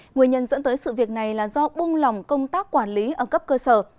nguyên nhân dẫn tới sự việc này là do bung lòng công tác quản lý ở cấp cơ sở